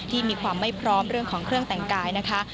ที่มีความไม่พร้อมเรื่องของเครื่องแต่งกายนะคะ